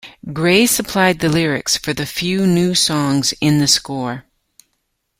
Grey supplied the lyrics for the few new songs in the score.